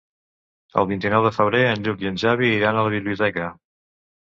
El vint-i-nou de febrer en Lluc i en Xavi iran a la biblioteca.